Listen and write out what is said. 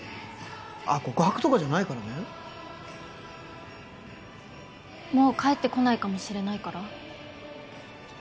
あっ告白とかじゃないからねもう帰ってこないかもしれないから？